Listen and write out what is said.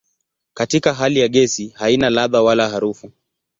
Katika hali ya gesi haina ladha wala harufu.